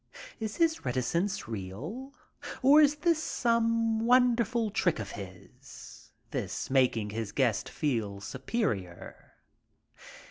Is his reticence real or is this some wonderful trick of his, this making his guest feel superior?